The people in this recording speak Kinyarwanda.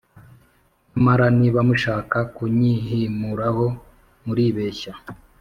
Nyamara niba mushaka kunyihimuraho muribeshya